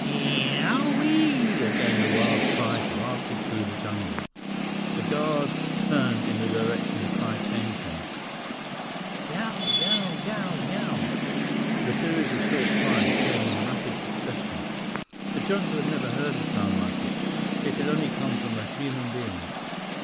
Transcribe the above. "Eeeee owieeeee!" Again the wild cry blasted through the jungle. The guards turned in the direction the cry came from. 87 "Yow! Yow! Yow! Yow!" The series of short cries came in rapid succession. The jungle had never heard a sound like it. It could only come from a human being.